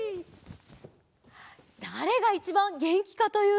だれがいちばんげんきかというと。